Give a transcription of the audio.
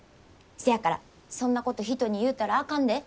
せやからそんなこと人に言うたらあかんで。